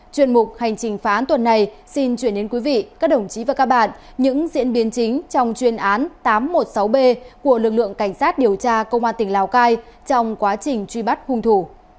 chuyên mục hành trình phá án tuần này xin chuyển đến quý vị các đồng chí và các bạn những diễn biến chính trong chuyên án tám trăm một mươi sáu b của lực lượng cảnh sát điều tra công an tỉnh lào cai trong quá trình truy bắt hung thủ